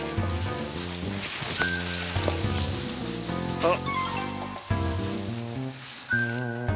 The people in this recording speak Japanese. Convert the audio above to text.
あっ！